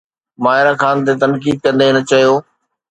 ماهرا خان تي تنقيد ڪندي هن چيو